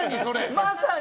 まさに！